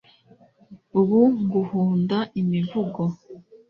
ubu nguhunda imivugo